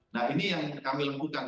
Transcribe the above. nah ini yang kami lakukan